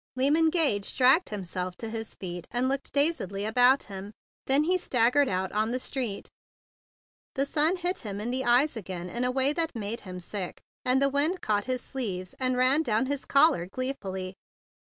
Lyman Gage dragged himself to his feet, and looked dazedly about him; then he staggered out on the street. The sun hit him a clip in the eyes again that made him sick, and the wind THE BIG BLUE SOLDIER 107 caught at his sleeves, and ran down his collar gleefully.